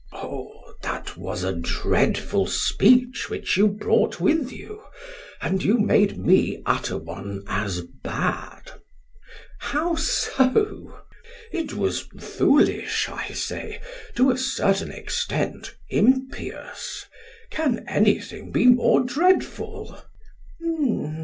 SOCRATES: That was a dreadful speech which you brought with you, and you made me utter one as bad. PHAEDRUS: How so? SOCRATES: It was foolish, I say, to a certain extent, impious; can anything be more dreadful?